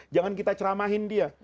jangan kita ceramahin dia